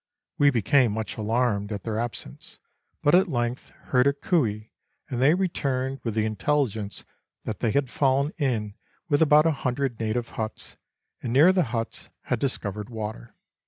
We became much alarmed at their absence, but at length heard a cooey, and they returned with the intelligence that they had fallen in with about 100 native huts, and near the huts had discovered water.